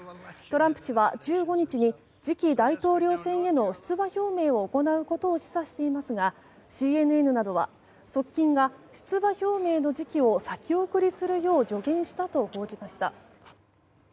トランプ氏は１５日に次期大統領選への出馬表明を行うことを示唆していますがＣＮＮなどは側近が、出馬表明の時期を先送りするよう助言したと報じました。